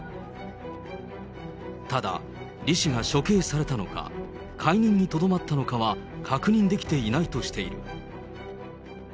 ただ、リ氏が処刑されたのか、解任にとどまったのかは、確認できていないとしている。